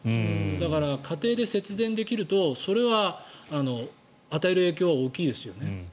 だから、家庭で節電できるとそれは与える影響は大きいですよね。